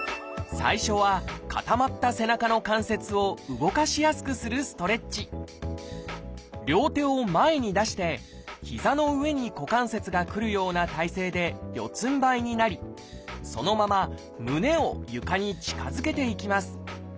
最初は固まった両手を前に出して膝の上に股関節がくるような体勢で四つんばいになりそのまま胸を床に近づけていきます。